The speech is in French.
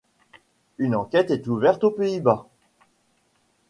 Une enquête est ouverte aux Pays-Bas.